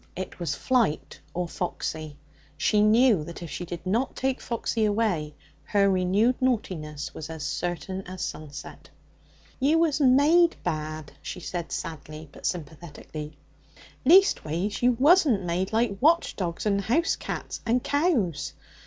It was flight or Foxy. She knew that if she did not take Foxy away, her renewed naughtiness was as certain as sunset. 'You was made bad,' she said sadly but sympathetically. 'Leastways, you wasn't made like watch dogs and house cats and cows.